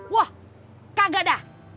wah kagak dah